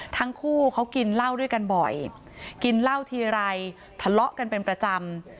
ทั้งคู่เขากินเหล้าด้วยกันบ่อยกินเหล้าทีไรทะเลาะกันเป็นประจำ